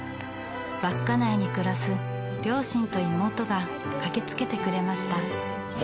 稚内に暮らす両親と妹が駆けつけてくれました。